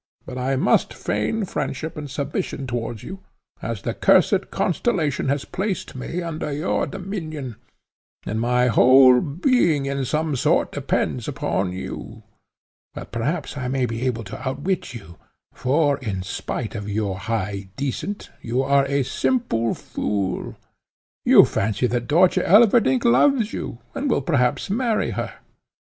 But I must feign friendship and submission towards you, as the cursed constellation has placed me under your dominion, and my whole being in some sort depends upon you. But perhaps I may be able to outwit you, for, in spite of your high descent, you are a simple fool. You fancy that Dörtje Elverdink loves you, and will perhaps marry her.